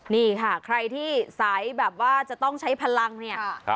นี่ค่ะใครที่สายแบบว่าจะต้องใช้พลังเนี่ย